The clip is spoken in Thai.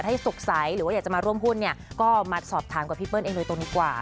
ถ้าสงสัยหรือว่าอยากจะมาร่วมหุ้นก็มาสอบถามกับพี่เปิ้ลเองโดยตรงนี้กว่า